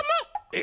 え？